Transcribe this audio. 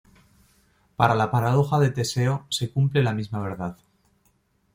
Para la paradoja de Teseo se cumple la misma verdad.